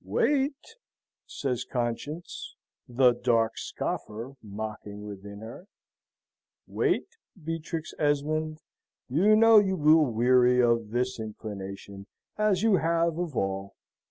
"Wait," says Conscience, the dark scoffer mocking within her, "wait, Beatrix Esmond! You know you will weary of this inclination, as you have of all.